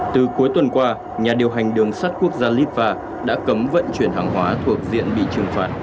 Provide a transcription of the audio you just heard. từ cuối tuần qua nhà điều hành đường sắt quốc gia litva đã cấm vận chuyển hàng hóa thuộc diện bị trừng phạt